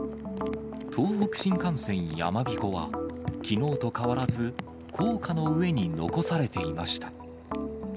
東北新幹線やまびこは、きのうと変わらず、高架の上に残されていました。